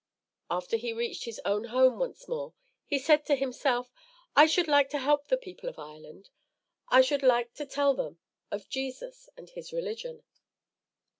After he reached his own home once more, he said to himself, "I should like to help the people of Ireland. I should like to tell them of Jesus and his religion."